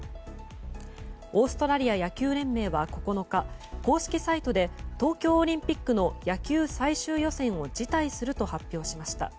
オーストラリア野球連盟は９日公式サイトで東京オリンピックの野球最終予選を辞退すると発表しました。